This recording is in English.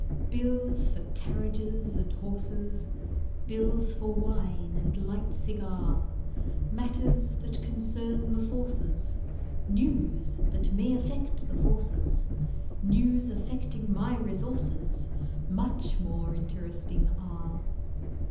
Bills for carriages and horses, Bills for wine and light cigar, Matters that concern the Forces— News that may affect the Forces— News affecting my resources, Much more interesting are!